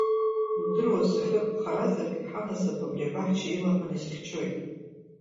Иудыруаз, сахьыҟоу харазаргь ҳанасыԥ абри абаҳча илаҳәан исыхьчоит.